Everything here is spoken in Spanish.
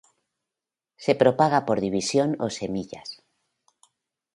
Se propaga por división o semillas.